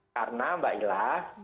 karena mbak ila